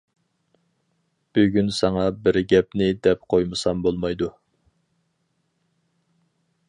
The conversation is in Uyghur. بۈگۈن ساڭا بىر گەپنى دەپ قويمىسام بولمايدۇ.